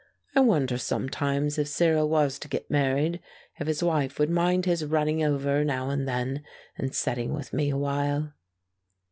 I wonder sometimes if Cyril was to git married if his wife would mind his running over now and then and setting with me awhile."